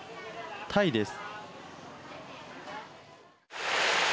タイです。